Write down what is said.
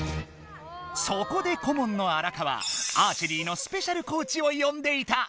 そこでこもんの荒川アーチェリーのスペシャルコーチをよんでいた。